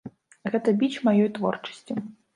Гэта біч маёй творчасці.